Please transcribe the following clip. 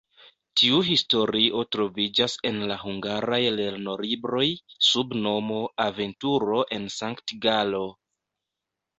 Tiu historio troviĝas en la hungaraj lernolibroj sub nomo "Aventuro en Sankt-Galo".